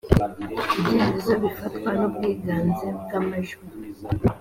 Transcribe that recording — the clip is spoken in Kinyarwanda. ibyemezo bifatwa n ubwiganze bw amajwi